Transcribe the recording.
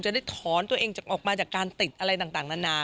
ได้ถอนตัวเองออกมาจากการติดอะไรต่างนานา